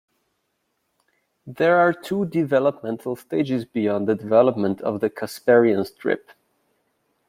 There are two developmental stages beyond the development of the Casparian strip.